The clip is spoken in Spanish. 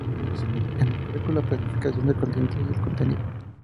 Estos se pueden resumir en: el público, la planificación, el continente y el contenido.